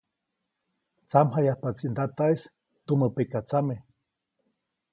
Tsamjayajpaʼtsi ndataʼis tumä pekatsame.